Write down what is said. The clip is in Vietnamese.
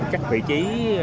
các vị trí